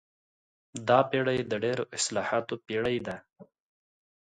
دا پېړۍ د ډېرو اصطلاحاتو پېړۍ ده.